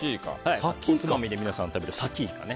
おつまみで皆さんが食べるサキイカ。